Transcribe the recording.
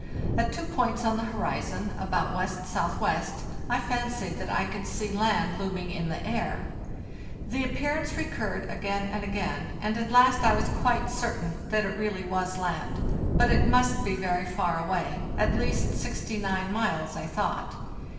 At two points on the horizon, about W.S.W., I fancied that I could see land looming in the air. The appearance recurred again and again, and at last I was quite certain that it really was land; but it must be very far away—at least 69 miles, I thought.